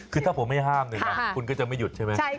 คือถ้าผมไม่ห้ามเนี่ยนะคุณก็จะไม่หยุดใช่ไหม